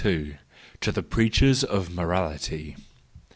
To the Preachers of Morality